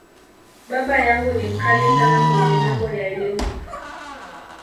Baba yangu ni ‘mkali’ sana kwenye mambo ya Elimu.